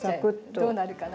どうなるかな？